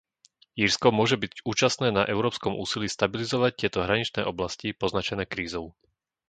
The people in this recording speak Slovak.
Írsko môže byť účastné na európskom úsilí stabilizovať tieto hraničné oblasti poznačené krízou.